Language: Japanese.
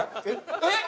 えっ？